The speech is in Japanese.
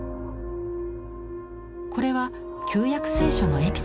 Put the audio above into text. これは旧約聖書のエピソード。